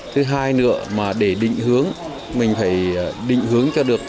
thứ hai nữa mà để định hướng mình phải định hướng cho được